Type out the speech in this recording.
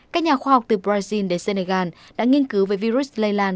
các nhà khoa học từ brazil đến senegal đã nghiên cứu về virus lây lan